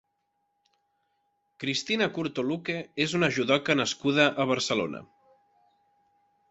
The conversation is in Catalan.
Cristina Curto Luque és una judoca nascuda a Barcelona.